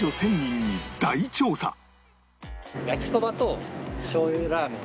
焼きそばとしょう油ラーメン